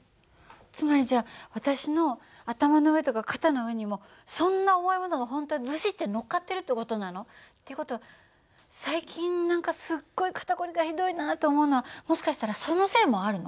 つまりじゃあ私の頭の上とか肩の上にもそんな重いものが本当はズシッてのっかってるって事なの？っていう事は最近何かすっごい肩凝りがひどいなと思うのはもしかしたらそのせいもあるの？